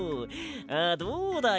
あどうだい？